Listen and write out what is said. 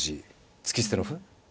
突き捨ての歩。